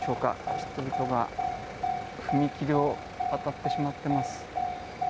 人々が踏切を渡ってしまっています。